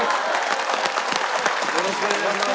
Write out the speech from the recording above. よろしくお願いします。